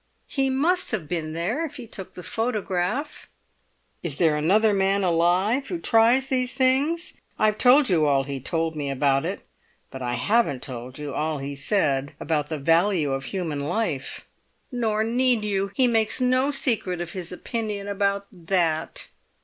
"He must have been there if he took the photograph." "Is there another man alive who tries these things? I've told you all he told me about it, but I haven't told you all he said about the value of human life." "Nor need you! He makes no secret of his opinion about that!"